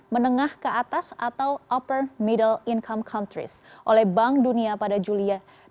menengah ke atas atau oper middle income countries oleh bank dunia pada juli dua ribu dua puluh